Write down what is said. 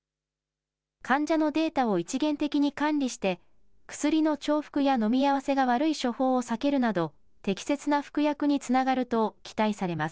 患者のデータを一元的に管理して、薬の重複や飲み合わせが悪い処方を避けるなど、適切な服薬につながると期待されます。